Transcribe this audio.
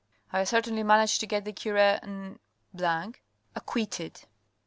I certainly managed to get the cure N acquitted."